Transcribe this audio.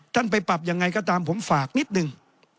ท่านไปปรับอย่างไรก็ตามผมฝากนิดนึง